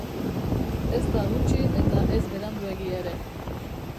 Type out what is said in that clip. Ez da gutxi eta ez beranduegi ere.